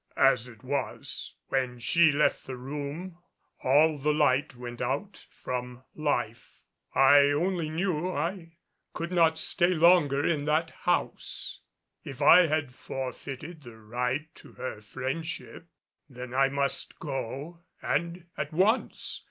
As it was, when she left the room all the light went out from life. I only knew I could not stay longer in that house. If I had forfeited the right to her friendship, then I must go and at once.